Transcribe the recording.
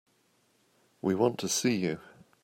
We want to see you.